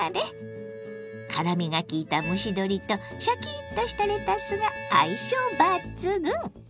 辛みがきいた蒸し鶏とシャキッとしたレタスが相性抜群！